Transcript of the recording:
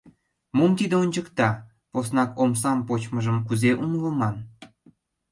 Мом тиде ончыкта, поснак омсам почмыжым кузе умылыман?